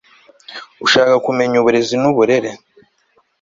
ushaka kumenya uburezi n'uburere